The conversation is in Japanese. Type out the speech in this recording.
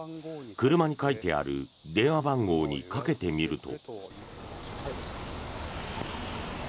車に書いてある電話番号にかけてみると。